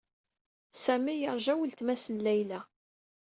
Sami yeṛja weltma-s n Layla.